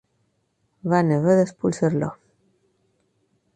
Van haver d'expulsar-lo.